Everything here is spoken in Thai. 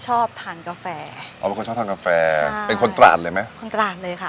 ชอบทานกาแฟใช่เป็นคนการแซมร้านเลยไหม